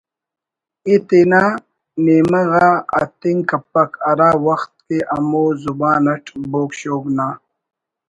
ءِ تینا نیمہ غا اتنگ کپک ہرا وخت کہ ہمو زبان اٹ بوگ شوگ نا